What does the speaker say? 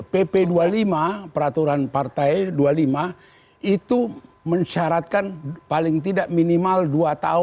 pp dua puluh lima peraturan partai dua puluh lima itu mensyaratkan paling tidak minimal dua tahun